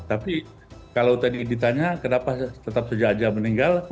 tapi kalau tadi ditanya kenapa tetap saja meninggal